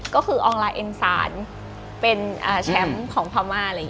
ก็คือออนไลน์เอ็นซานเป็นแชมป์ของพาวมา